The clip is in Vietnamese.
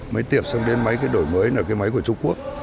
máy tiệp xong rồi đến máy cái đổi mới là cái máy của trung quốc